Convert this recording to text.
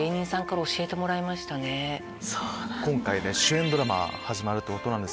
今回主演ドラマが始まるってことなんですけど。